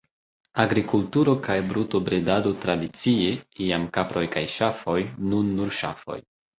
Agrikulturo kaj brutobredado tradicie, iam kaproj kaj ŝafoj, nun nur ŝafoj.